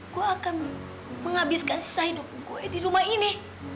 gua akan menghabiskan sisa hidup gua di rumah ini